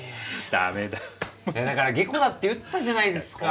だから下戸だって言ったじゃないですか。